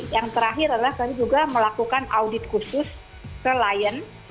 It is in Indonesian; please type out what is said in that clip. yang terakhir adalah kami juga melakukan audit khusus ke lion